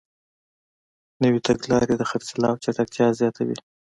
نوې تګلارې د خرڅلاو چټکتیا زیاتوي.